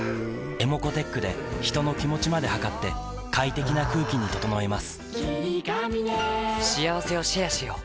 ｅｍｏｃｏーｔｅｃｈで人の気持ちまで測って快適な空気に整えます